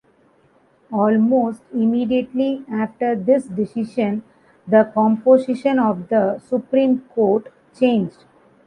Almost immediately after this decision, the composition of the Supreme Court changed.